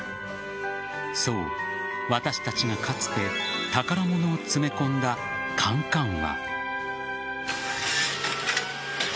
そう、私たちがかつて宝物を詰め込んだ缶かんは。